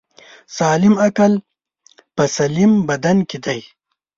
سالم عقل په سلیم بدن کی دی